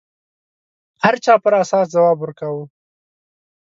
هر چا پر اساس ځواب ورکاوه